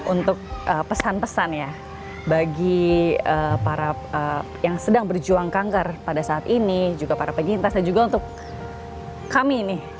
untuk pesan pesan ya bagi para yang sedang berjuang kanker pada saat ini juga para penyintas dan juga untuk kami nih